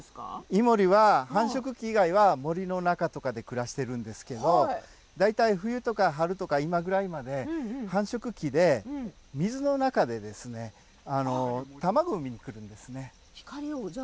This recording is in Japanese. イモリは繁殖期以外は森の中で暮らしていますが大体、冬とか春とか今くらいまで繁殖期でして、水の中で卵を産みに来るんです。